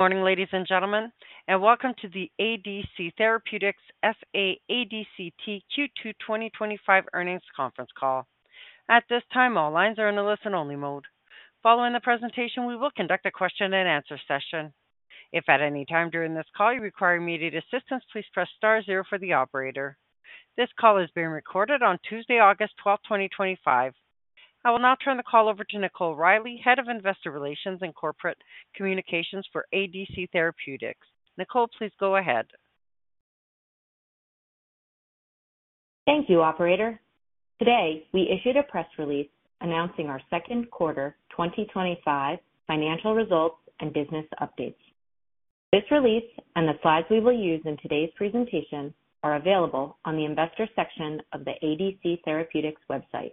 Morning, ladies and gentlemen, and welcome to the ADC Therapeutics FA ADCT Q2 2025 Earnings Conference Call. At this time, all lines are in a listen-only mode. Following the presentation, we will conduct a question-and-answer session. If at any time during this call you require immediate assistance, please press star zero for the operator. This call is being recorded on Tuesday, August 12, 2025. I will now turn the call over to Nicole Riley, Head of Investor Relations and Corporate Communications for ADC Therapeutics. Nicole, please go ahead. Thank you, Operator. Today, we issued a press release announcing our Second Quarter 2025 Financial Results and Business Updates. This release and the slides we will use in today's presentation are available on the Investor section of the ADC Therapeutics website.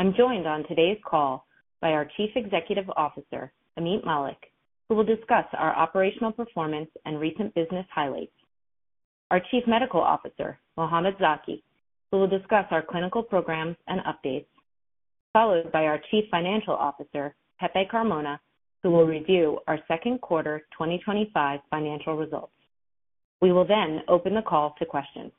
I'm joined on today's call by our Chief Executive Officer, Ameet Mallik, who will discuss our operational performance and recent business highlights. Our Chief Medical Officer, Mohamed Zaki, who will discuss our clinical programs and updates, followed by our Chief Financial Officer, Jose Carmona, who will review our second quarter 2025 financial results. We will then open the call to questions.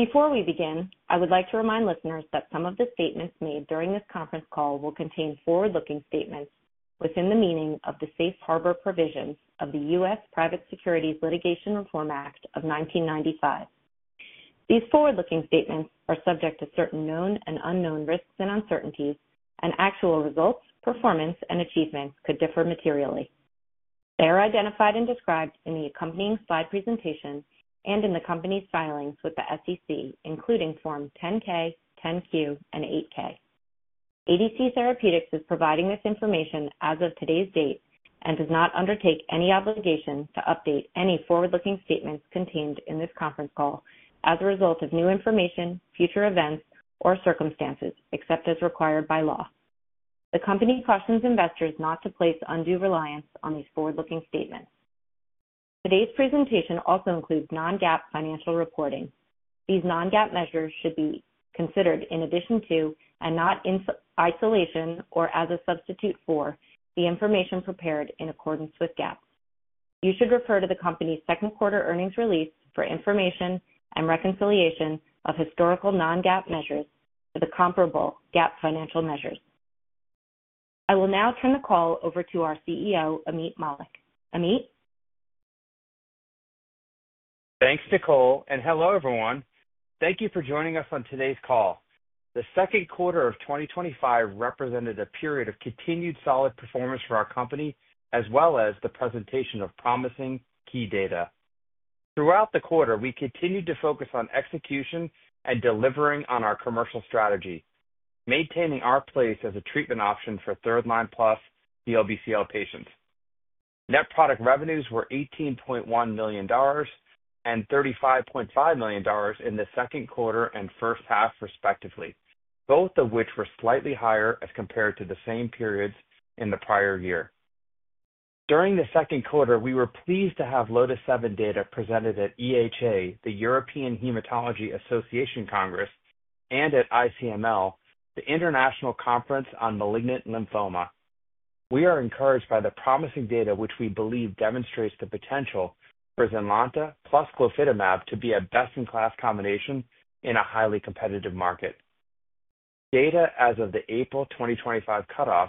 Before we begin, I would like to remind listeners that some of the statements made during this conference call will contain forward-looking statements within the meaning of the Safe Harbor provisions of the U.S. Private Securities Litigation Reform Act of 1995. These forward-looking statements are subject to certain known and unknown risks and uncertainties, and actual results, performance, and achievements could differ materially. They are identified and described in the accompanying slide presentation and in the company's filings with the SEC, including Form 10-K, 10-Q, and 8-K. ADC Therapeutics is providing this information as of today's date and does not undertake any obligation to update any forward-looking statements contained in this conference call as a result of new information, future events, or circumstances, except as required by law. The company cautions investors not to place undue reliance on these forward-looking statements. Today's presentation also includes non-GAAP financial reporting. These non-GAAP measures should be considered in addition to and not in isolation or as a substitute for the information prepared in accordance with GAAP. You should refer to the company's second quarter earnings release for information and reconciliation of historical non-GAAP measures with the comparable GAAP financial measures. I will now turn the call over to our CEO, Ameet Mallik. Ameet? Thanks, Nicole, and hello, everyone. Thank you for joining us on today's call. The second quarter of 2025 represented a period of continued solid performance for our company, as well as the presentation of promising key data. Throughout the quarter, we continued to focus on execution and delivering on our commercial strategy, maintaining our place as a treatment option for Third Line Plus DLBCL patients. Net product revenues were $18.1 million and $35.5 million in the second quarter and first half, respectively, both of which were slightly higher as compared to the same periods in the prior year. During the second quarter, we were pleased to have LOTIS-7 data presented at EHA, the European Hematology Association Congress, and at ICML, the International Conference on Malignant Lymphoma. We are encouraged by the promising data, which we believe demonstrates the potential for ZYNLONTA plus glofitamab to be a best-in-class combination in a highly competitive market. Data as of the April 2025 cutoff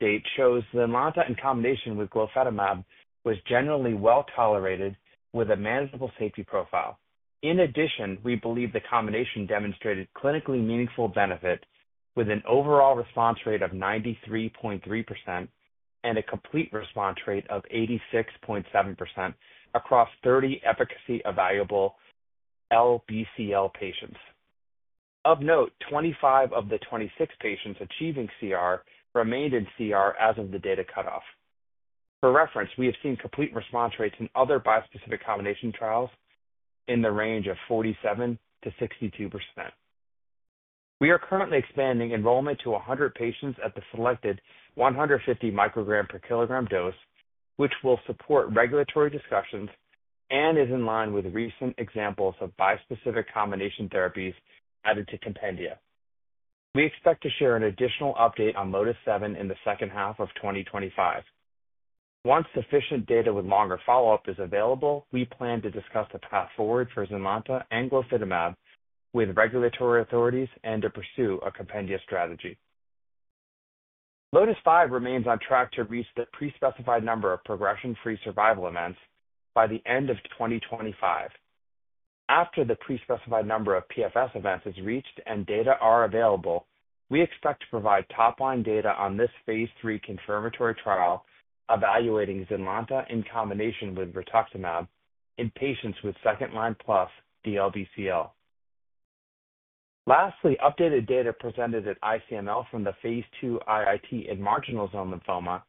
date shows ZYNLONTA in combination with glofitamab was generally well tolerated with a manageable safety profile. In addition, we believe the combination demonstrated clinically meaningful benefit with an overall response rate of 93.3% and a complete response rate of 86.7% across 30 efficacy-evaluable LBCL patients. Of note, 25 of the 26 patients achieving CR remained in CR as of the data cutoff. For reference, we have seen complete response rates in other bispecific combination trials in the range of 47%-62%. We are currently expanding enrollment to 100 patients at the selected 150 mcg/kg dose, which will support regulatory discussions and is in line with recent examples of bispecific combination therapies added to compendia. We expect to share an additional update on LOTIS-7 in the second half of 2025. Once sufficient data with longer follow-up is available, we plan to discuss the path forward for ZYNLONTA and glofitamab with regulatory authorities and to pursue a compendia strategy. LOTIS-5 remains on track to reach the pre-specified number of progression-free survival events by the end of 2025. After the pre-specified number of PFS events is reached and data are available, we expect to provide top-line data on this phase III confirmatory trial evaluating ZYNLONTA in combination with rituximab in patients with Second Line Plus DLBCL. Lastly, updated data presented at ICML from the phase II IIT in marginal zone lymphoma,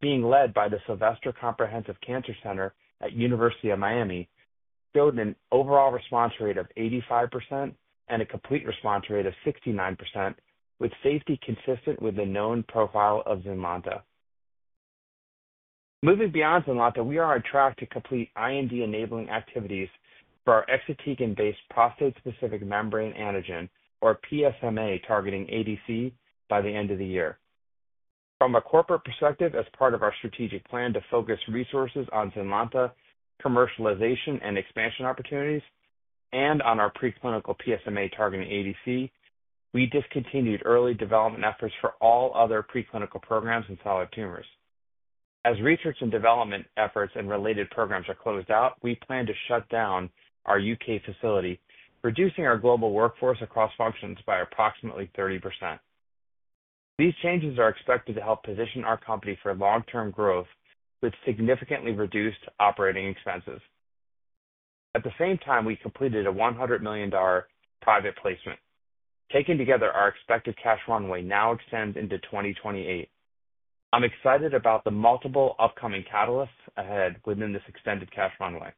being led by the Sylvester Comprehensive Cancer Center at University of Miami, showed an overall response rate of 85% and a complete response rate of 69%, with safety consistent with the known profile of ZYNLONTA. Moving beyond ZYNLONTA, we are on track to complete IND-enabling activities for our exotic and based prostate-specific membrane antigen, or PSMA-targeting ADC, by the end of the year. From a corporate perspective, as part of our strategic plan to focus resources on ZYNLONTA commercialization and expansion opportunities and on our preclinical PSMA-targeting ADC, we discontinued early development efforts for all other preclinical programs in solid tumors. As research and development efforts and related programs are closed out, we plan to shut down our U.K. facility, reducing our global workforce across functions by approximately 30%. These changes are expected to help position our company for long-term growth with significantly reduced operating expenses. At the same time, we completed a $100 million private placement. Taken together, our expected cash runway now extends into 2028. I'm excited about the multiple upcoming catalysts ahead within this extended cash runway.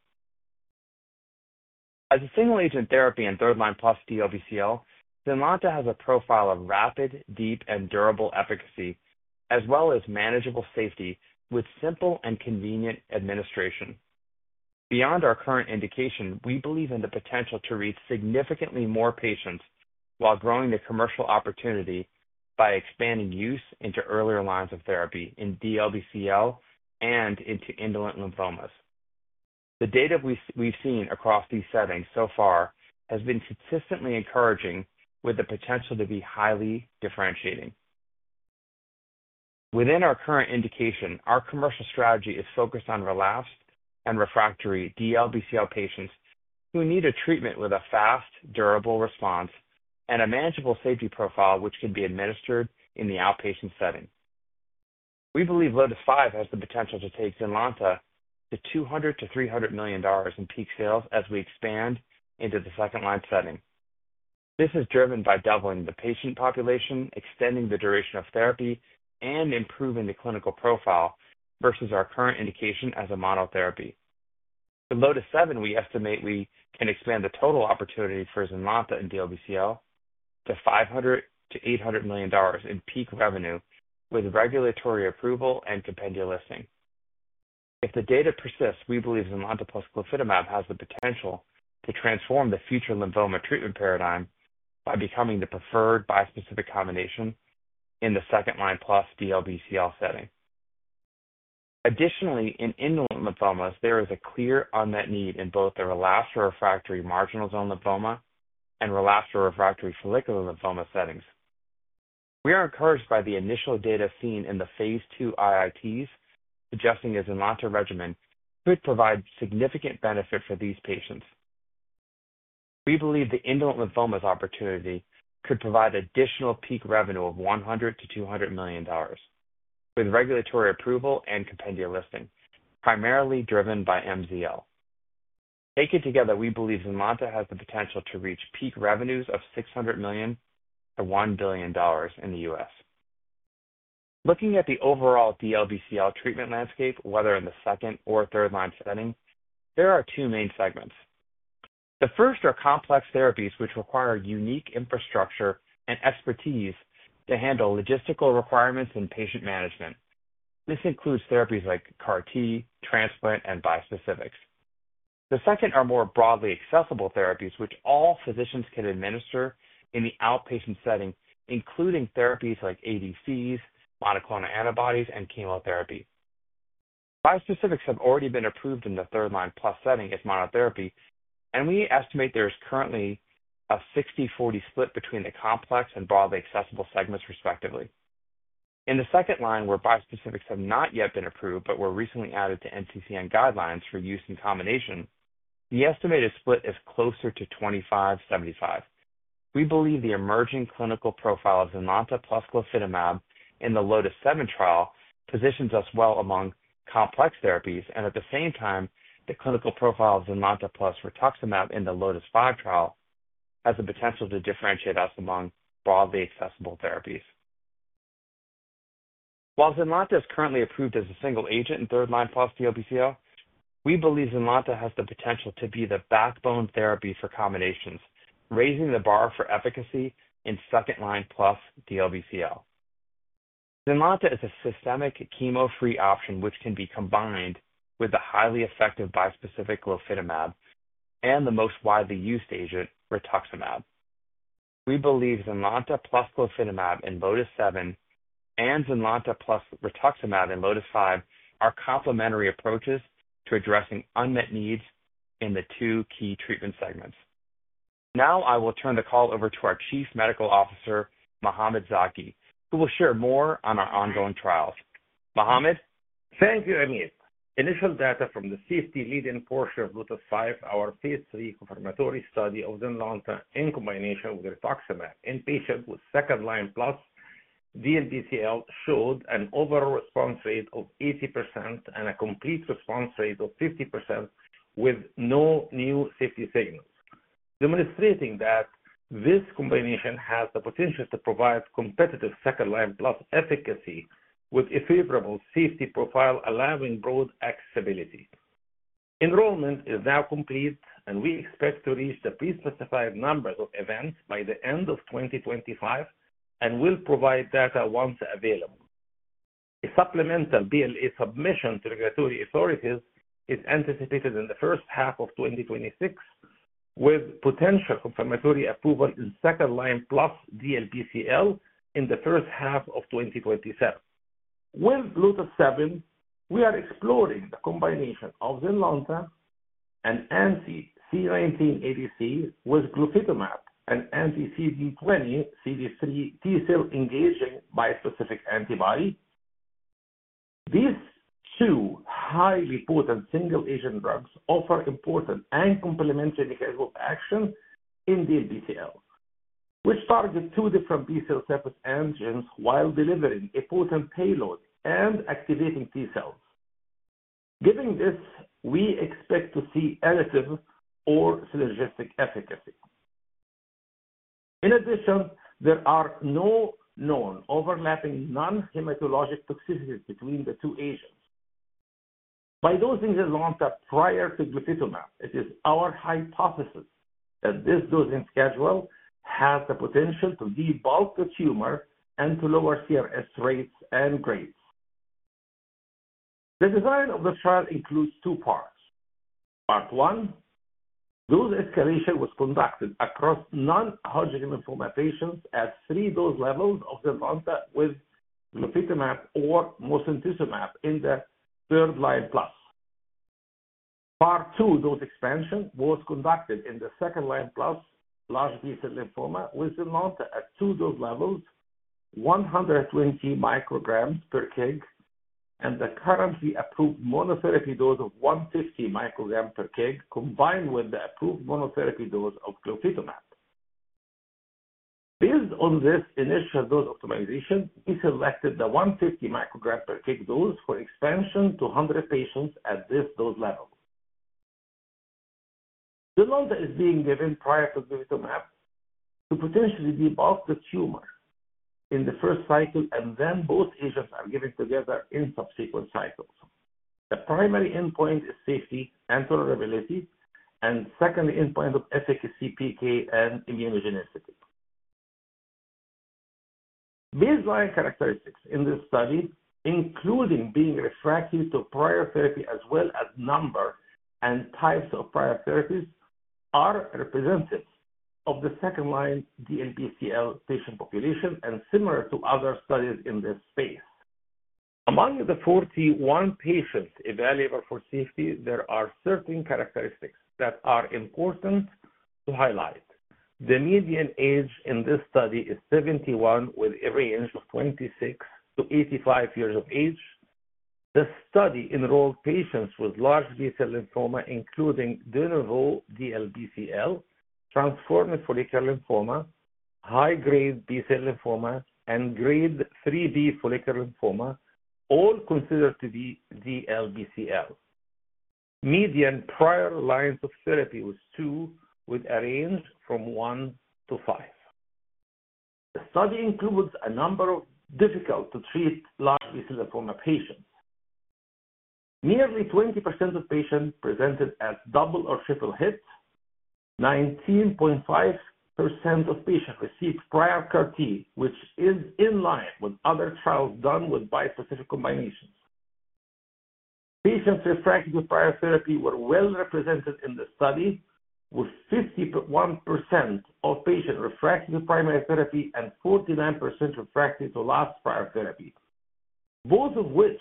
As a single-agent therapy in Third Line Plus DLBCL, ZYNLONTA has a profile of rapid, deep, and durable efficacy, as well as manageable safety with simple and convenient administration. Beyond our current indication, we believe in the potential to reach significantly more patients while growing the commercial opportunity by expanding use into earlier lines of therapy in DLBCL and into indolent lymphomas. The data we've seen across these settings so far has been consistently encouraging with the potential to be highly differentiating. Within our current indication, our commercial strategy is focused on relapsed and refractory DLBCL patients who need a treatment with a fast, durable response and a manageable safety profile which can be administered in the outpatient setting. We believe LOTIS-5 has the potential to take ZYNLONTA to $200 million-$300 million in peak sales as we expand into the second-line setting. This is driven by doubling the patient population, extending the duration of therapy, and improving the clinical profile versus our current indication as a monotherapy. With LOTIS-7, we estimate we can expand the total opportunity for ZYNLONTA in DLBCL to $500 million-$800 million in peak revenue with regulatory approval and Compendia listing. If the data persists, we believe ZYNLONTA plus glofitamab has the potential to transform the future lymphoma treatment paradigm by becoming the preferred bispecific combination in the Second Line Plus DLBCL setting. Additionally, in indolent lymphomas, there is a clear unmet need in both the relapsed or refractory marginal zone lymphoma and relapsed or refractory follicular lymphoma settings. We are encouraged by the initial data seen in the phase II IITs, suggesting the ZYNLONTA regimen could provide significant benefit for these patients. We believe the indolent lymphomas opportunity could provide additional peak revenue of $100 million-$200 million with regulatory approval and Compendia listing, primarily driven by MZL. Taken together, we believe ZYNLONTA has the potential to reach peak revenues of $600 million-$1 billion in the U.S. Looking at the overall DLBCL treatment landscape, whether in the second or third-line setting, there are two main segments. The first are complex therapies which require unique infrastructure and expertise to handle logistical requirements and patient management. This includes therapies like CAR-T, transplant, and bispecifics. The second are more broadly accessible therapies, which all physicians can administer in the outpatient setting, including therapies like ADCs, monoclonal antibodies, and chemotherapy. Bispecifics have already been approved in the Third Line Plus setting as monotherapy, and we estimate there's currently a 60/40 split between the complex and broadly accessible segments, respectively. In the second line, where bispecifics have not yet been approved but were recently added to NCCN guidelines for use in combination, the estimated split is closer to 25/75. We believe the emerging clinical profile of ZYNLONTA plus glofitamab in the LOTIS-7 trial positions us well among complex therapies, and at the same time, the clinical profile of ZYNLONTA plus rituximab in the LOTIS-5 trial has the potential to differentiate us among broadly accessible therapies. While ZYNLONTA is currently approved as a single agent in Third Line Plus DLBCL, we believe ZYNLONTA has the potential to be the backbone therapy for combinations, raising the bar for efficacy in Second Line Plus DLBCL. ZYNLONTA is a systemic chemo-free option which can be combined with the highly effective bispecific glofitamab and the most widely used agent, rituximab. We believe ZYNLONTA plus glofitamab in LOTIS-7 and ZYNLONTA plus rituximab in LOTIS-5 are complementary approaches to addressing unmet needs in the two key treatment segments. Now, I will turn the call over to our Chief Medical Officer, Mohamed Zaki, who will share more on our ongoing trials. Mohamed? Thank you, Ameet. Initial data from the safety lead-in portion of LOTIS-5, our Phase III confirmatory study of ZYNLONTA in combination with rituximab in patients with Second Line Plus diffuse large B-cell lymphoma (DLBCL), showed an overall response rate of 80% and a complete response rate of 50% with no new safety signals, demonstrating that this combination has the potential to provide competitive Second Line Plus efficacy with a favorable safety profile allowing broad accessibility. Enrollment is now complete, and we expect to reach the pre-specified numbers of events by the end of 2025 and will provide data once available. A supplemental BLA submission to regulatory authorities is anticipated in the first half of 2026, with potential confirmatory approval in Second Line Plus DLBCL in the first half of 2027. With LOTIS-7, we are exploring the combination of ZYNLONTA and Anti-CD19 ADC with glofitamab, an anti-CD20 Series III T-cell engaging bispecific antibody. These two highly potent single-agent drugs offer important and complementary mechanisms of action in DLBCL, which target two different B-cell antigens while delivering a potent payload and activating T-cells. Given this, we expect to see additive or synergistic efficacy. In addition, there are no known overlapping non-hematologic toxicities between the two agents. By dosing ZYNLONTA prior to glofitamab, it is our hypothesis that this dosing schedule has the potential to debulk the tumor and to lower CRS rates and grades. The design of the trial includes two parts. Part one, dose escalation, was conducted across non-Hodgkin lymphoma patients at three dose levels of ZYNLONTA with glofitamab or mosunetuzumab in the Third Line Plus. Part two, dose expansion, was conducted in the Second Line Plus large B-cell lymphoma with ZYNLONTA at two dose levels, 120 micrograms per kg, and the currently approved monotherapy dose of 150 micrograms per kg combined with the approved monotherapy dose of glofitamab. Based on this initial dose optimization, we selected the 150 microgram per kg dose for expansion to 100 patients at this dose level. ZYNLONTA is being given prior to glofitamab to potentially debulk the tumor in the first cycle, and then both agents are given together in subsequent cycles. The primary endpoint is safety and tolerability, and the secondary endpoint of efficacy, PK, and immunogenicity. Baseline characteristics in this study, including being refractory to prior therapy as well as number and types of prior therapies, are representative of the second line DLBCL patient population and similar to other studies in this space. Among the 41 patients evaluated for safety, there are certain characteristics that are important to highlight. The median age in this study is 71, with a range of 26-85 years of age. The study enrolled patients with large B-cell lymphoma, including de novo DLBCL, transforming follicular lymphoma, high-grade B-cell lymphoma, and grade 3B follicular lymphoma, all considered to be DLBCL. Median prior lines of therapy was two, with a range from one to five. The study includes a number of difficult-to-treat large B-cell lymphoma patients. Nearly 20% of patients presented at double or triple hit. 19.5% of patients received prior CAR-T, which is in line with other trials done with bispecific combinations. Patients refractory to prior therapy were well represented in the study, with 51% of patients refractory to primary therapy and 49% refractory to last prior therapy, both of which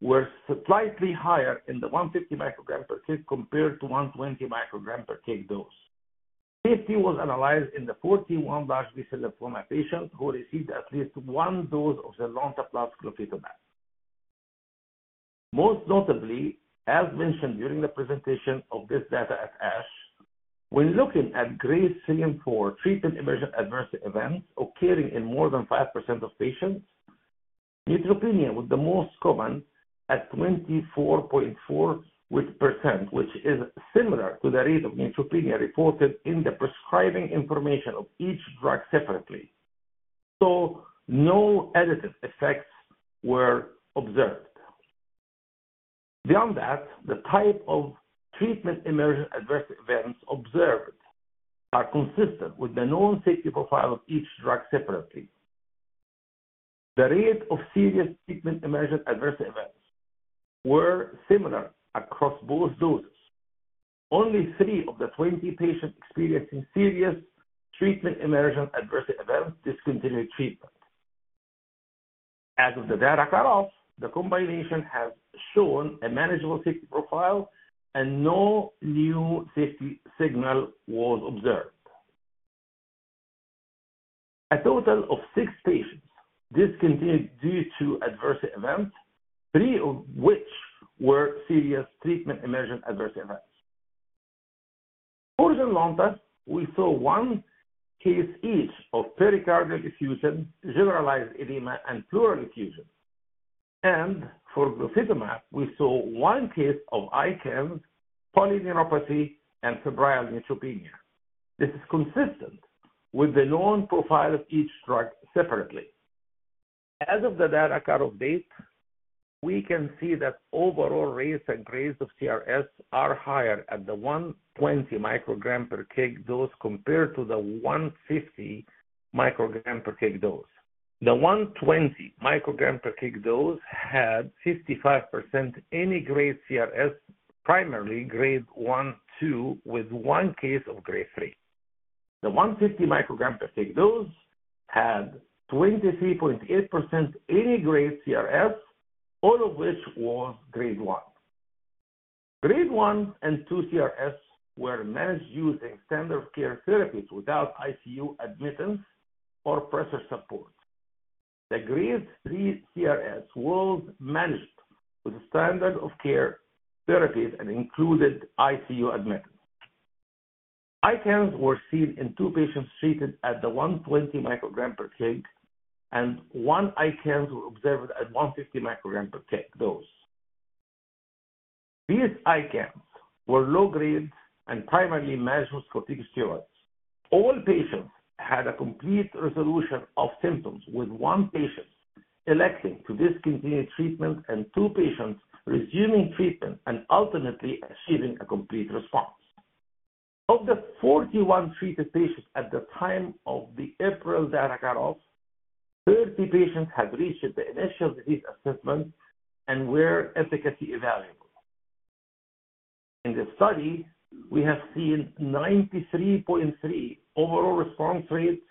were slightly higher in the 150 microgram per kg compared to 120 microgram per kg dose. Safety was analyzed in the 41 large B-cell lymphoma patients who received at least one dose of ZYNLONTA plus glofitamab. Most notably, as mentioned during the presentation of this data at S, when looking at grade CM4 treatment emergent adverse events occurring in more than 5% of patients, neutropenia was the most common at 24.4%, which is similar to the rate of neutropenia reported in the prescribing information of each drug separately. No additive effects were observed. Beyond that, the type of treatment emergent adverse events observed are consistent with the known safety profile of each drug separately. The rate of serious treatment emergent adverse events was similar across both doses. Only three of the 20 patients experiencing serious treatment emergent adverse events discontinued treatment. As of the data cutoff, the combination has shown a manageable safety profile and no new safety signal was observed. A total of six patients discontinued due to adverse events, three of which were serious treatment emergent adverse events. For ZYNLONTA, we saw one case each of pericardial effusion, generalized edema, and pleural effusion. For glofitamab, we saw one case of ICM, polyneuropathy, and febrile neutropenia. This is consistent with the known profile of each drug separately. As of the data cutoff date, we can see that overall rates and grades of CRS are higher at the 120 microgram per kg dose compared to the 150 microgram per kg dose. The 120 microgram per kg dose had 55% any grade CRS, primarily grade 1 to 2, with one case of grade 3. The 150 microgram per kg dose had 23.8% any grade CRS, all of which was grade 1. Grade 1 and 2 CRS were managed using standard of care therapies without ICU admittance or pressor support. The grade 3 CRS was managed with standard of care therapies and included ICU admittance. ICMs were seen in two patients treated at the 120 microgram per kg, and one ICM was observed at 150 microgram per kg dose. These ICMs were low grade and primarily managed with corticosteroids. All patients had a complete resolution of symptoms, with one patient electing to discontinue treatment and two patients resuming treatment and ultimately achieving a complete response. Of the 41 treated patients at the time of the April data cutoff, 30 patients have reached the initial disease assessment and were efficacy evaluated. In this study, we have seen 93.3% overall response rate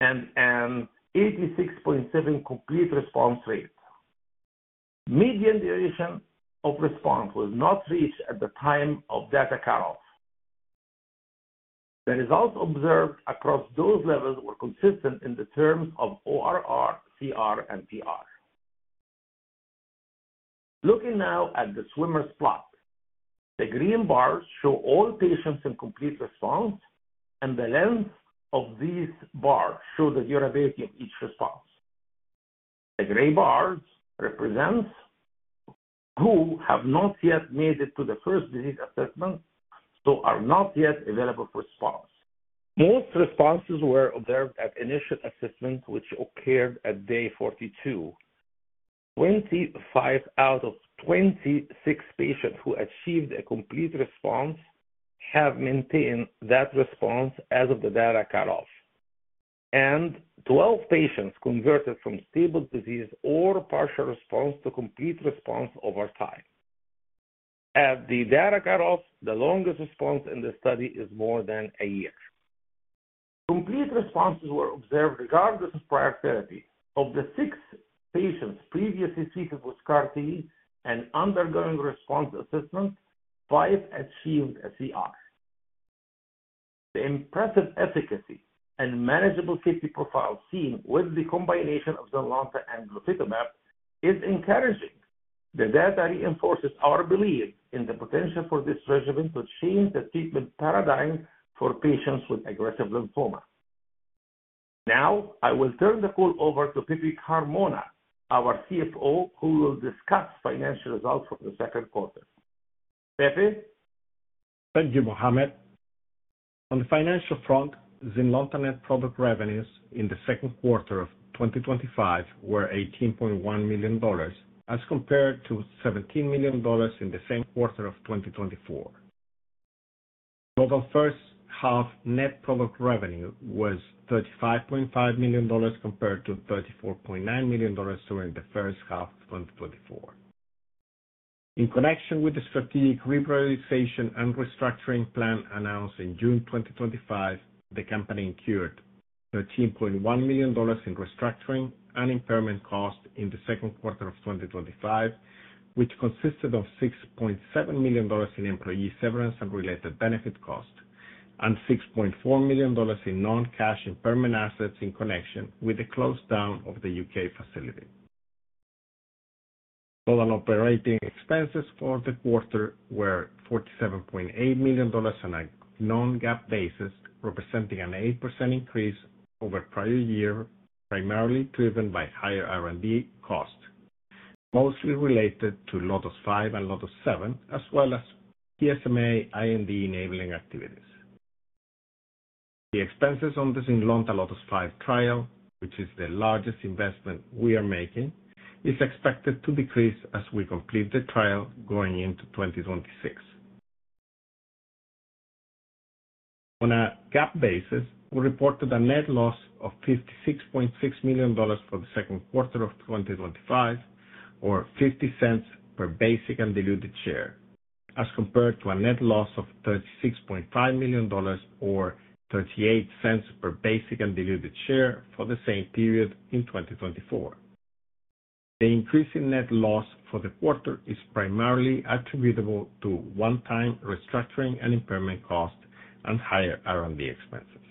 and an 86.7% complete response rate. Median duration of response was not reached at the time of data cutoff. The results observed across those levels were consistent in the terms of ORR, CR, and PR. Looking now at the swimmer's plot, the green bars show all patients in complete response, and the length of these bars shows the durability of each response. The gray bars represent who have not yet made it to the first disease assessment, so are not yet available for response. Most responses were observed at initial assessment, which occurred at day 42. 25 out of 26 patients who achieved a complete response have maintained that response as of the data cutoff, and 12 patients converted from stable disease or partial response to complete response over time. At the data cutoff, the longest response in the study is more than a year. Complete responses were observed regardless of prior therapy. Of the six patients previously treated with CAR-T and undergoing response assessment, five achieved a CR. The impressive efficacy and manageable safety profile seen with the combination of ZYNLONTA and glofitamab is encouraging. The data reinforces our belief in the potential for this regimen to change the treatment paradigm for patients with aggressive lymphoma. Now, I will turn the call over to Pepe Carmona, our CFO, who will discuss financial results from the second quarter. Pepe? Thank you, Mohamed. On the financial front, ZYNLONTA net product revenues in the second quarter of 2025 were $18.1 million as compared to $17 million in the same quarter of 2024. The first half net product revenue was $35.5 million compared to $34.9 million during the first half of 2024. In connection with the strategic reprioritization and restructuring plan announced in June 2025, the company incurred $13.1 million in restructuring and impairment costs in the second quarter of 2025, which consisted of $6.7 million in employee severance and related benefit costs and $6.4 million in non-cash impairment assets in connection with the close down of the U.K. facility. Total operating expenses for the quarter were $47.8 million on a non-GAAP basis, representing an 8% increase over the prior year, primarily driven by higher R&D costs, mostly related to LOTIS-5 and LOTIS-7, as well as PSMA IND-enabling activities. The expenses on the ZYNLONTA LOTIS-5 trial, which is the largest investment we are making, are expected to decrease as we complete the trial going into 2026. On a GAAP basis, we reported a net loss of $56.6 million for the second quarter of 2025, or $0.50 per basic and diluted share, as compared to a net loss of $36.5 million or $0.38 per basic and diluted share for the same period in 2024. The increase in net loss for the quarter is primarily attributable to one-time restructuring and impairment costs and higher R&D expenses.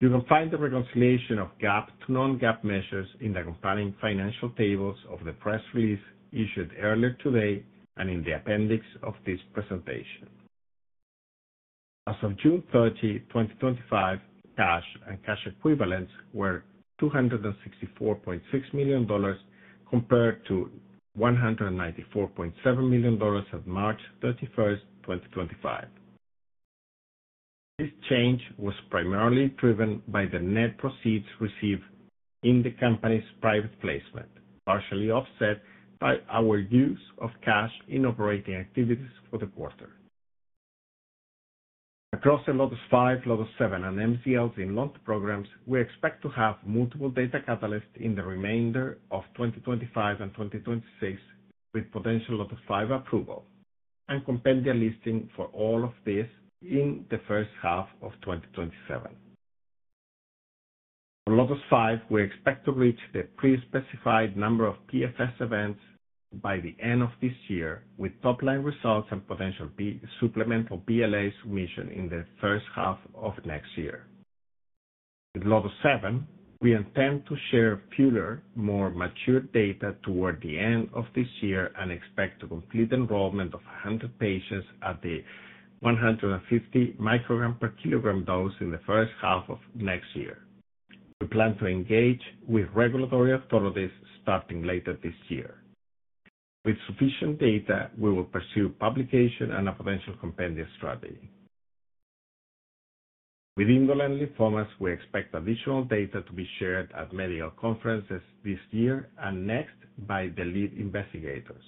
You can find the reconciliation of GAAP to non-GAAP measures in the accompanying financial tables of the press release issued earlier today and in the appendix of this presentation. As of June 30, 2025, cash and cash equivalents were $264.6 million compared to $194.7 million at March 31st, 2025. This change was primarily driven by the net proceeds received in the company's private placement, partially offset by our use of cash in operating activities for the quarter. Across the LOTIS-5, LOTIS-7, and marginal zone lymphoma ZYNLONTA programs, we expect to have multiple data catalysts in the remainder of 2025 and 2026 with potential LOTIS-5 approval and compendia listing for all of this in the first half of 2027. For LOTIS-5, we expect to reach the pre-specified number of progression-free survival events by the end of this year, with top-line results and potential supplemental BLA submission in the first half of next year. With LOTIS-7, we intend to share fewer, more mature data toward the end of this year and expect to complete enrollment of 100 patients at the 150 microgram per kg dose in the first half of next year. We plan to engage with regulatory authorities starting later this year. With sufficient data, we will pursue publication and a potential compendia strategy. With indolent lymphomas, we expect additional data to be shared at medical conferences this year and next by the lead investigators.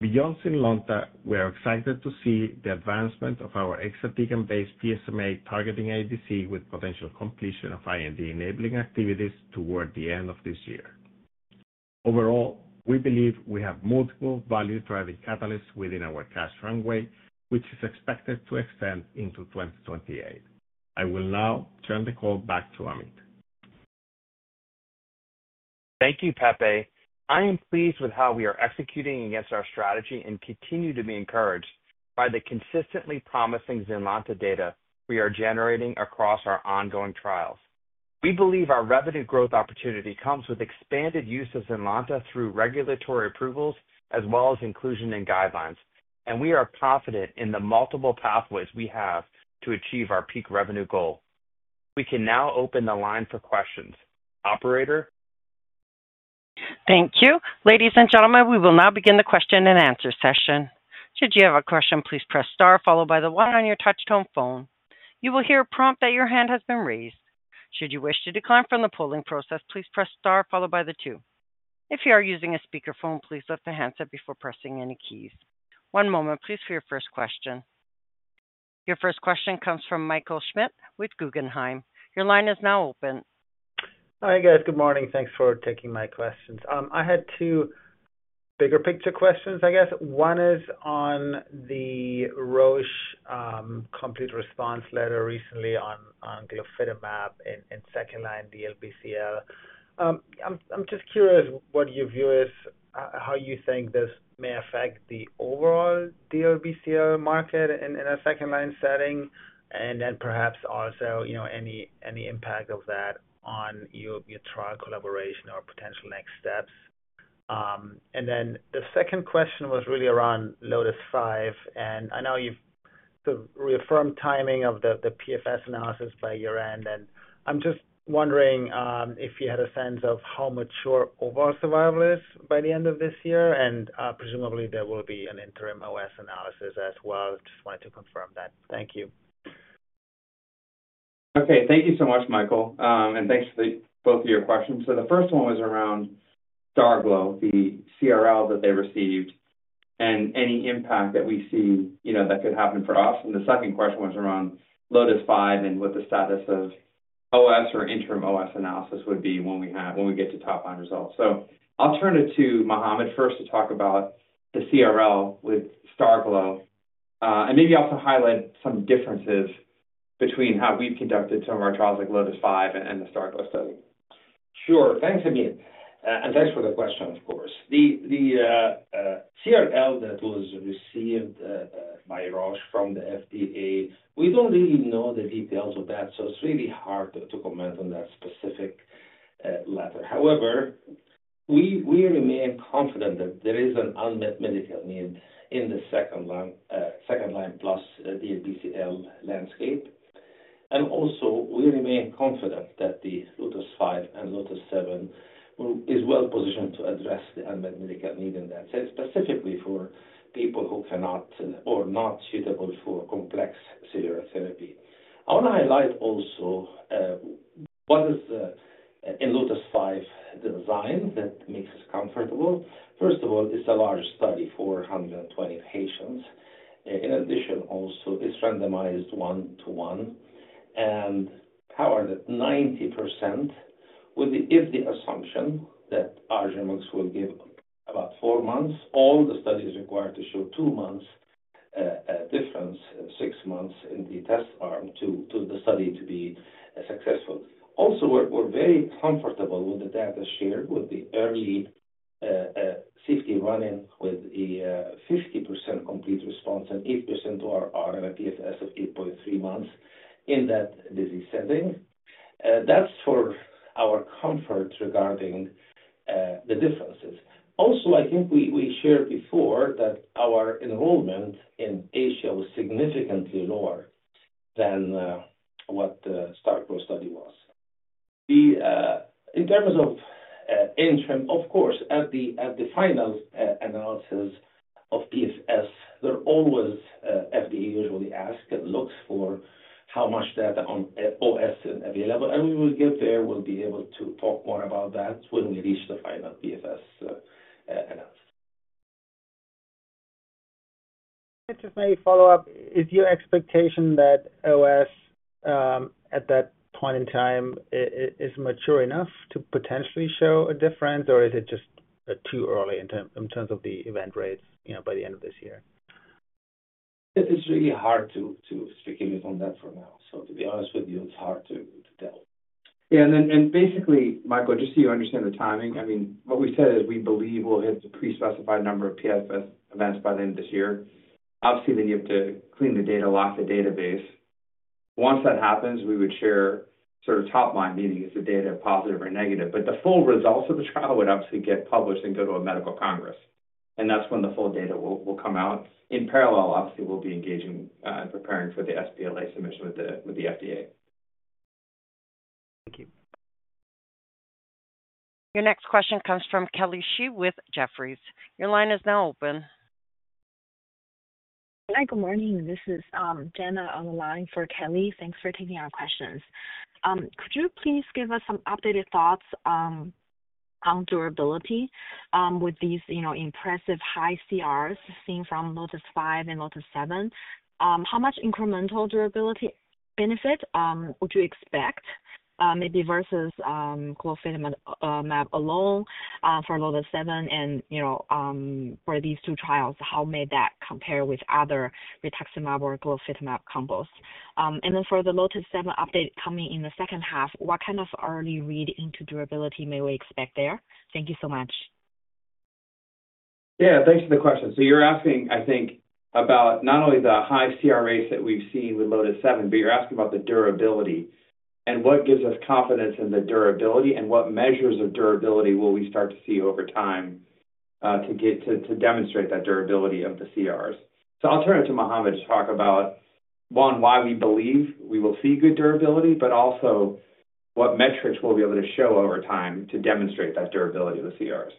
Beyond ZYNLONTA, we are excited to see the advancement of our exatecan-based PSMA-targeting ADC with potential completion of IND-enabling activities toward the end of this year. Overall, we believe we have multiple value-driving catalysts within our cash runway, which is expected to extend into 2028. I will now turn the call back to Ameet. Thank you, Patrick. I am pleased with how we are executing against our strategy and continue to be encouraged by the consistently promising ZYNLONTA data we are generating across our ongoing trials. We believe our revenue growth opportunity comes with expanded use of ZYNLONTA through regulatory approvals as well as inclusion in guidelines, and we are confident in the multiple pathways we have to achieve our peak revenue goal. We can now open the line for questions. Operator? Thank you. Ladies and gentlemen, we will now begin the question and answer session. Should you have a question, please press star followed by the one on your touchtone phone. You will hear a prompt that your hand has been raised. Should you wish to decline from the polling process, please press star followed by the two. If you are using a speakerphone, please lift the handset before pressing any keys. One moment, please, for your first question. Your first question comes from Michael Schmidt with Guggenheim. Your line is now open. Hi guys, good morning. Thanks for taking my questions. I had two bigger picture questions, I guess. One is on the Roche complete response letter recently on glofitamab in second line DLBCL. I'm just curious what your view is, how you think this may affect the overall DLBCL market in a second line setting, and then perhaps also, you know, any impact of that on your trial collaboration or potential next steps. The second question was really around LOTIS-5, and I know you've sort of reaffirmed timing of the PFS analysis by year end, and I'm just wondering if you had a sense of how mature overall survival is by the end of this year, and presumably there will be an interim OS analysis as well. Just wanted to confirm that. Thank you. Okay, thank you so much, Michael, and thanks for both of your questions. The first one was around STARGLO, the complete response letter that they received, and any impact that we see that could happen for us. The second question was around LOTIS-5 and what the status of overall survival or interim overall survival analysis would be when we get to top-line results. I'll turn it to Mohamed first to talk about the complete response letter with STARGLO, and maybe also highlight some differences between how we've conducted some of our trials like LOTIS-5 and the STARGLO study. Sure, thanks Ameet, and thanks for the question, of course. The complete response letter that was received by Roche from the FDA, we don't really know the details of that, so it's really hard to comment on that specific letter. However, we remain confident that there is an unmet medical need in the Second Line Plus diffuse large B-cell lymphoma landscape, and also we remain confident that the LOTIS-5 and LOTIS-7 is well positioned to address the unmet medical need in that sense, specifically for people who cannot or are not suitable for complex severe therapy. I want to highlight also what is in LOTIS-5, the design that makes us comfortable. First of all, it's a large study, 420 patients. In addition, also it's randomized one to one, and how are the 90% with the assumption that large animals will give about four months? All the study is required to show two months difference, six months in the test arm to the study to be successful. Also, we're very comfortable with the data shared with the early safety run-in with a 50% complete response and 8% RRM at progression-free survival of 8.3 months in that disease setting. That's for our comfort regarding the differences. Also, I think we shared before that our enrollment in Asia was significantly lower than what the STARGLO study was. In terms of interim, of course, at the final analysis of progression-free survival, there are always FDA usually asked and looks for how much data on overall survival is available, and we will get there. We'll be able to talk more about that when we reach the final PFS. I just may follow up. Is your expectation that OS at that point in time is mature enough to potentially show a difference, or is it just too early in terms of the event rates by the end of this year? It's hard to speculate on that for now. To be honest with you, it's hard to tell. Yeah, and then basically, Michael, just so you understand the timing, what we said is we believe we'll hit the pre-specified number of PFS events by the end of this year. Obviously, we need to clean the data off the database. Once that happens, we would share sort of top-line, meaning if the data is positive or negative, but the full results of the trial would obviously get published and go to a medical congress, and that's when the full data will come out. In parallel, obviously, we'll be engaging as a parent with the supplemental BLA submission with the FDA. Thank you. Your next question comes from Kelly Shi with Jefferies. Your line is now open. Hi, good morning. This is Jenna on the line for Kelly. Thanks for taking our questions. Could you please give us some updated thoughts on durability with these, you know, impressive high CRs seen from LOTIS-5 and LOTIS-7? How much incremental durability benefit would you expect, maybe versus glofitamab alone for LOTIS-7, and, you know, for these two trials? How may that compare with other rituximab or glofitamab combos? For the LOTIS-7 update coming in the second half, what kind of early read into durability may we expect there? Thank you so much. Yeah, thanks for the question. You're asking, I think, about not only the high CR rates that we've seen with LOTIS-7, but you're asking about the durability and what gives us confidence in the durability and what measures of durability we will start to see over time to demonstrate that durability of the CRs. I'll turn it to Mohamed to talk about, one, why we believe we will see good durability, but also what metrics we'll be able to show over time to demonstrate that durability of the CRs.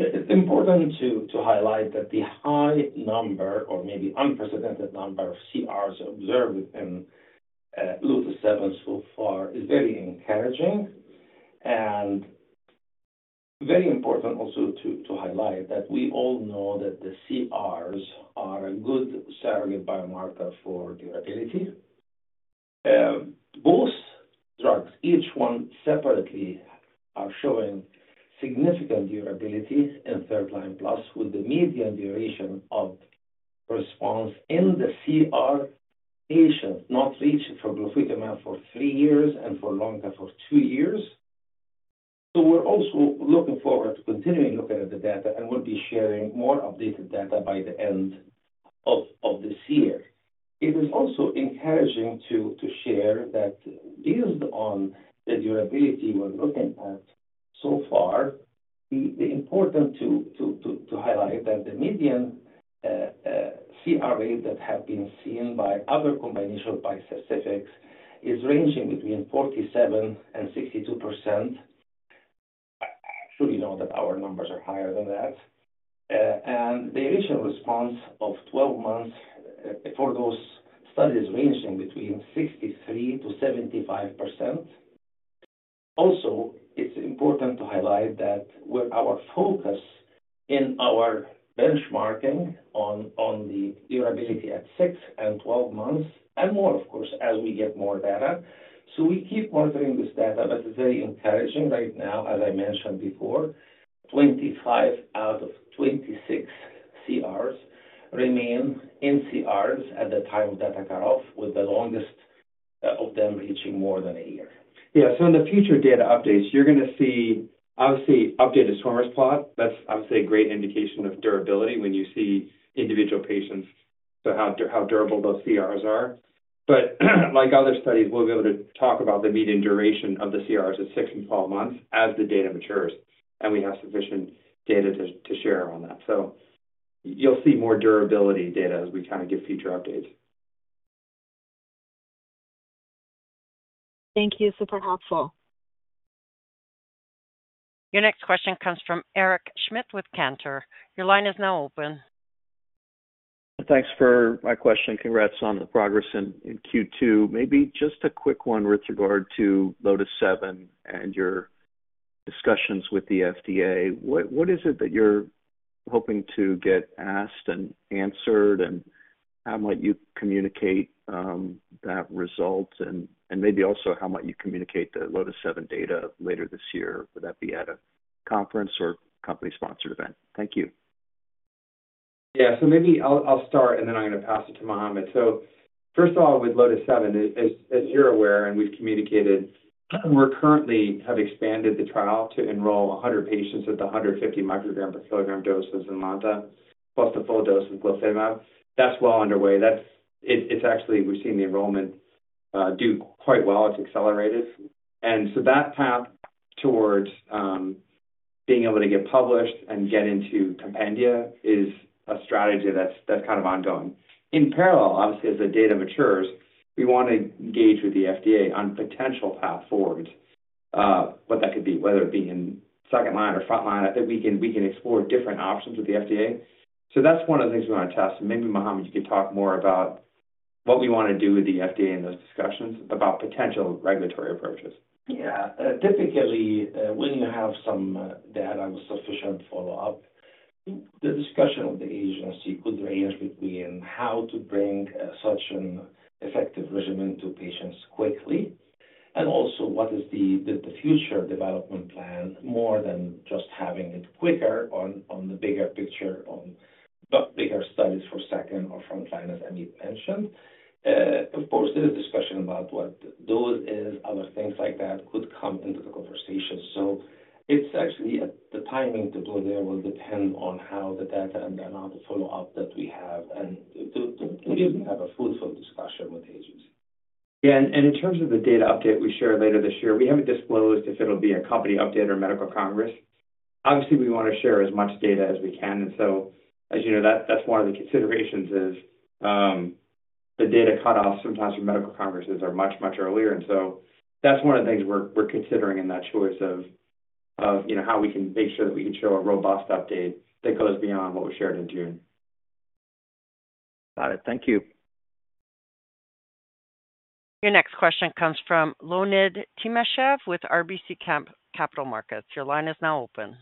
It's important to highlight that the high number or maybe unprecedented number of CRs observed within LOTIS-7 so far is very encouraging and very important also to highlight that we all know that the CRs are a good surrogate biomarker for durability. Both drugs, each one separately, are showing significant durability in Third Line Plus with the median duration of response in the CR patients not reached for glofitamab for three years and for LOTIS for two years. We're also looking forward to continuing looking at the data and will be sharing more updated data by the end of this year. It is also encouraging to share that based on the durability we're looking at so far, it's important to highlight that the median CR rate that has been seen by other combinations of bispecifics is ranging between 47% and 62%. We know that our numbers are higher than that. The initial response of 12 months for those studies ranged in between 63%-75%. It's important to highlight that our focus in our benchmarking on the durability at 6 and 12 months and more, of course, as we get more data. We keep monitoring this data, but it's very encouraging right now. As I mentioned before, 25 out of 26 CRs remain in CRs at the time of data cutoff, with the longest of them reaching more than a year. Yeah, in the future data updates, you're going to see, obviously, updated swimmer's plot. That's obviously a great indication of durability when you see individual patients, so how durable those CRs are. Like other studies, we'll be able to talk about the median duration of the CRs at 6 and 12 months as the data matures, and we have sufficient data to share on that. You'll see more durability data as we kind of give future updates. Thank you, super helpful. Your next question comes from Eric Schmidt with Cantor. Your line is now open. Thanks for my question. Congrats on the progress in Q2. Maybe just a quick one with regard to LOTIS-7 and your discussions with the FDA. What is it that you're hoping to get asked and answered, and how might you communicate that result, and maybe also how might you communicate the LOTIS-7 data later this year? Would that be at a conference or company-sponsored event? Thank you. Yeah, so maybe I'll start, and then I'm going to pass it to Mohamed. First of all, with LOTIS-7, as you're aware, and we've communicated, we currently have expanded the trial to enroll 100 patients at the 150 microgram per kg dose of ZYNLONTA, plus the full dose of glofitamab. That's well underway. We've seen the enrollment do quite well. It's accelerated. That path towards being able to get published and get into compendia is a strategy that's kind of ongoing. In parallel, obviously, as the data matures, we want to engage with the FDA on potential path forwards, what that could be, whether it be in Second Line or Front Line. I think we can explore different options with the FDA. That's one of the things we want to test. Maybe Mohamed, you could talk more about what we want to do with the FDA in those discussions about potential regulatory approaches. Yeah, definitely, when you have some data with sufficient follow-up, the discussion of the age of sequence range between how to bring such an effective regimen to patients quickly and also what is the future development plan, more than just having it quicker on the bigger picture, on bigger studies for Second or Front Line, as Ameet mentioned. Of course, there's a discussion about what doses, other things like that could come into the conversation. Essentially, the timing to do that will depend on how the data and the amount of follow-up that we have and to really have a fruitful discussion with the agency. Yeah, in terms of the data update we share later this year, we haven't disclosed if it'll be a company update or medical congress. Obviously, we want to share as much data as we can. As you know, that's one of the considerations, the data cutoffs sometimes for medical congresses are much, much earlier. That's one of the things we're considering in that choice of how we can make sure that we could show a robust update that goes beyond what we shared in June. Got it. Thank you. Your next question comes from Leonid Timashev with RBC Capital Markets. Your line is now open.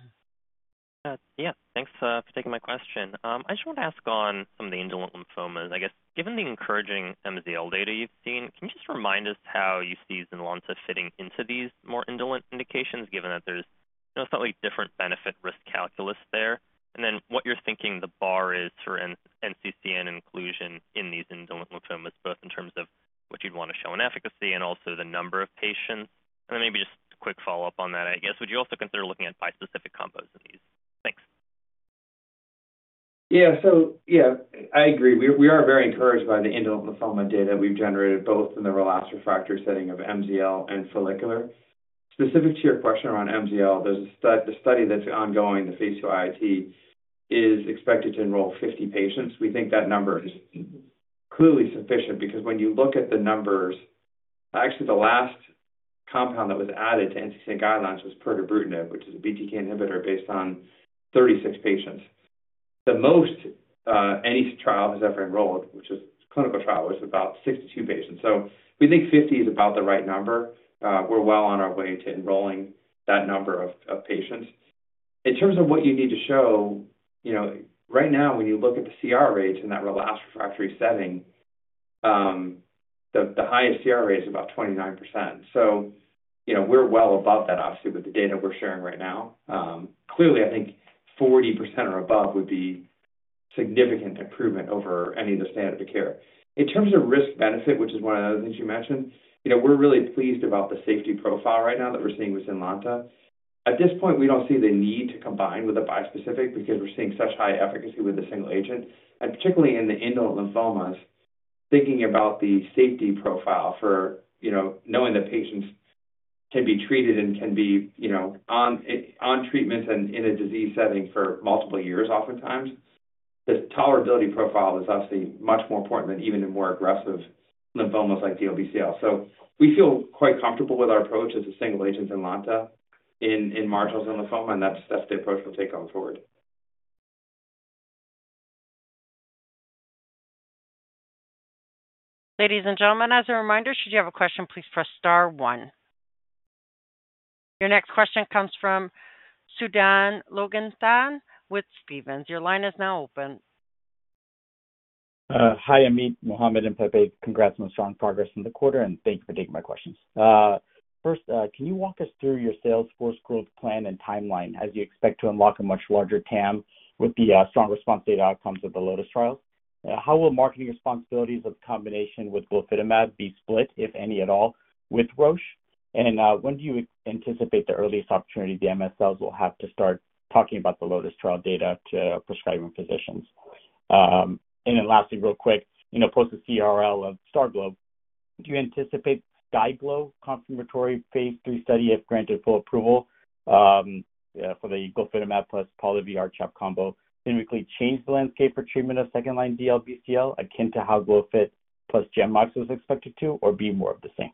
Yeah, thanks for taking my question. I just want to ask on some of the indolent lymphomas. I guess, given the encouraging marginal zone lymphoma data you've seen, can you just remind us how you see ZYNLONTA fitting into these more indolent indications, given that there's, you know, it's not like different benefit risk calculus there? What you're thinking the bar is for NCCN inclusion in these indolent lymphomas, both in terms of what you'd want to show in efficacy and also the number of patients. Maybe just a quick follow-up on that, I guess. Would you also consider looking at bispecific combos in these? Thanks. Yeah, I agree. We are very encouraged by the indolent lymphoma data we've generated both in the relapsed refractory setting of marginal zone lymphoma and follicular. Specific to your question around marginal zone lymphoma, there's a study that's ongoing. The phase II IAT is expected to enroll 50 patients. We think that number is clearly sufficient because when you look at the numbers, actually the last compound that was added to NCCN guidelines was pirtobrutinib, which is a BTK inhibitor based on 36 patients. The most any trial has ever enrolled, which is a clinical trial, was about 62 patients. We think 50 is about the right number. We're well on our way to enrolling that number of patients. In terms of what you need to show, right now when you look at the CR rates in that relapsed refractory setting, the highest CR rate is about 29%. We're well above that, obviously, with the data we're sharing right now. Clearly, I think 40% or above would be a significant improvement over any of the standard of care. In terms of risk-benefit, which is one of the other things you mentioned, we're really pleased about the safety profile right now that we're seeing with ZYNLONTA. At this point, we don't see the need to combine with a bispecific because we're seeing such high efficacy with the single agent. Particularly in the indolent lymphomas, thinking about the safety profile for knowing that patients can be treated and can be on treatments and in a disease setting for multiple years, oftentimes, the tolerability profile is obviously much more important than even the more aggressive lymphomas like diffuse large B-cell lymphoma. We feel quite comfortable with our approach as a single agent ZYNLONTA in marginal zone lymphoma, and that's the approach we'll take going forward. Ladies and gentlemen, as a reminder, should you have a question, please press star one. Your next question comes from Sudan Loganathan with Stephens. Your line is now open. Hi, Ameet, Mohamed, and Pepe. Congrats on the strong progress in the quarter, and thank you for taking my questions. First, can you walk us through your Salesforce growth plan and timeline as you expect to unlock a much larger TAM with the strong response data outcomes of the LOTIS trial? How will marketing responsibilities of the combination with glofitamab be split, if any at all, with Roche? When do you anticipate the earliest opportunity the MSLs will have to start talking about the LOTIS trial data to prescribing physicians? Lastly, real quick, post the complete response letter of ZYNLONTA, do you anticipate LOTIS-5 confirmatory phase III study, if granted full approval for the glofitamab plus polatuzumab-R-CHP combo, can we quickly change the landscape for treatment of second line DLBCL, akin to how glofitamab plus GemOx was expected to, or be more of the same?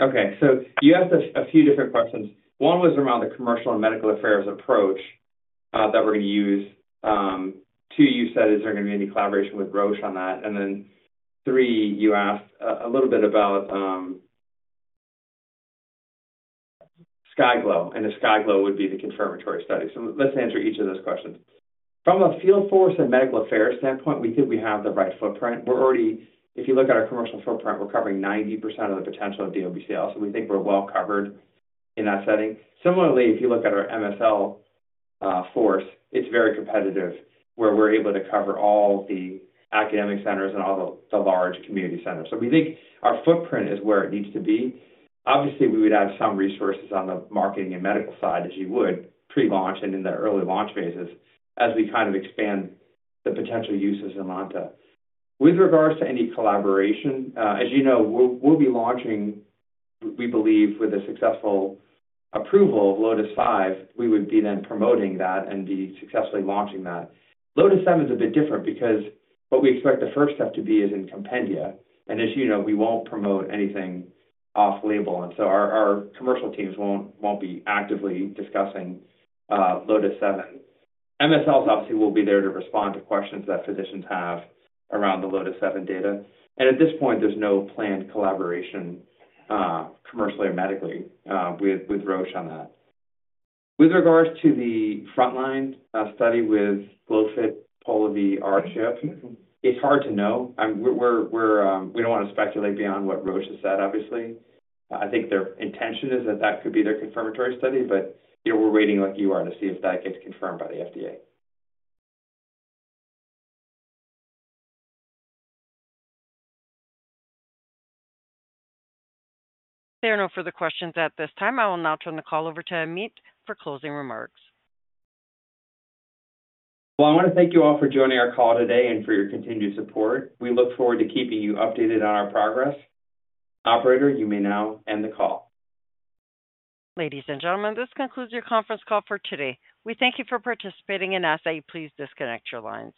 Okay, you asked a few different questions. One was around the commercial and medical affairs approach that we're going to use. Two, you said is there going to be any collaboration with Roche on that? Three, you asked a little bit about LOTIS-5, and the LOTIS-5 would be the confirmatory study. Let's answer each of those questions. From a field force and medical affairs standpoint, we think we have the right footprint. We're already, if you look at our commercial footprint, we're covering 90% of the potential of DLBCL, so we think we're well covered in that setting. Similarly, if you look at our MSL force, it's very competitive where we're able to cover all the academic centers and all the large community centers. We think our footprint is where it needs to be. Obviously, we would add some resources on the marketing and medical side as you would pre-launch and in the early launch phases as we kind of expand the potential use of ZYNLONTA. With regards to any collaboration, as you know, we'll be launching, we believe, with a successful approval of LOTIS-5, we would be then promoting that and be successfully launching that. LOTIS-7 is a bit different because what we expect the first step to be is in compendia, and as you know, we won't promote anything off-label, and our commercial teams won't be actively discussing LOTIS-7. MSLs obviously will be there to respond to questions that physicians have around the LOTIS-7 data, and at this point, there's no planned collaboration commercially or medically with Roche on that. With regards to the frontline study with glofitamab polatuzumab-R-CHP, it's hard to know. We don't want to speculate beyond what Roche has said, obviously. I think their intention is that that could be their confirmatory study, but we're waiting like you are to see if that gets confirmed by the FDA. There are no further questions at this time. I will now turn the call over to Ameet for closing remarks. Thank you all for joining our call today and for your continued support. We look forward to keeping you updated on our progress. Operator, you may now end the call. Ladies and gentlemen, this concludes your conference call for today. We thank you for participating and ask that you please disconnect your lines.